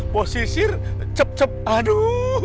bawa sisir cep cep aduh